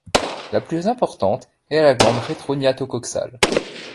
La plus importante est la glande rétrognathocoxale.